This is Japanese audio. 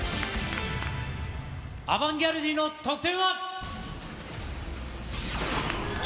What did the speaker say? アバンギャルディの得点は。